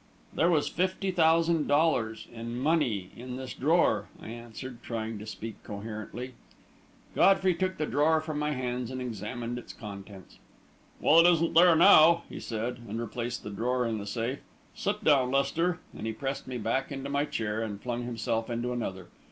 "There was fifty thousand dollars in money in this drawer," I answered, trying to speak coherently. Godfrey took the drawer from my hands and examined its contents. "Well, it isn't there now," he said, and replaced the drawer in the safe. "Sit down, Lester," and he pressed me back into my chair and flung himself into another.